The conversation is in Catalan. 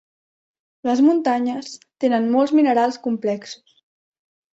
Les muntanyes tenen molts minerals complexos.